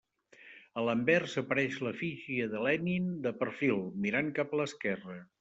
A l'anvers apareix l'efígie de Lenin de perfil, mirant cap a l'esquerra.